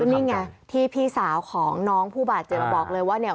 นี่ไงที่พี่สาวของน้องผู้บาดเจ็บมาบอกเลยว่าเนี่ย